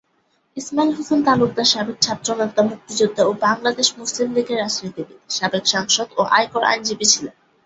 ইসমাইল হোসেন তালুকদার সাবেক ছাত্রনেতা মুক্তিযোদ্ধা ও বাংলাদেশ মুসলিম লীগের রাজনীতিবিদ, সাবেক সাংসদ ও আয়কর আইনজীবী ছিলেন।